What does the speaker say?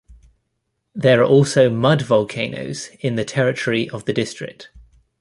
There are also mud volcanoes in the territory of the district.